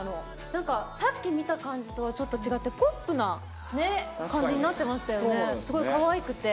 さっき見た感じとちょっと違ってポップな感じになってましたね。